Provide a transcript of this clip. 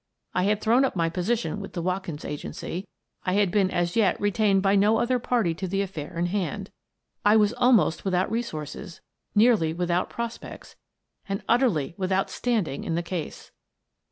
I had thrown up my position with the Watkins Agency; I had been as yet re tained by no other party to the affair in hand. I was almost without resources, nearly without pros pects, and utterly without standing in the case.